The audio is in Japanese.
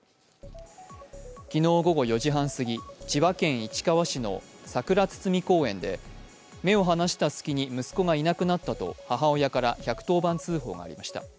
昨日午後４時半すぎ、千葉県市川市のさくら堤公園で目を離した隙に息子がいなくなったと母親から１１０番通報がありました。